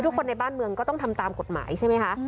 คนในบ้านเมืองก็ต้องทำตามกฎหมายใช่ไหมคะ